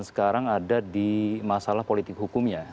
sekarang ada di masalah politik hukumnya